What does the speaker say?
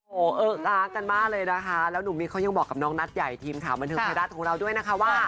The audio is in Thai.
โอ้โหเออรักกันมากเลยนะคะแล้วหนุ่มมิกเขายังบอกกับน้องนัดใหญ่ทีมข่าวบันเทิงไทยรัฐของเราด้วยนะคะว่า